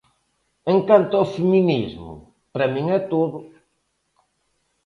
En canto ao feminismo, para min é todo.